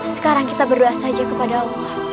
sekarang kita berdoa saja kepada allah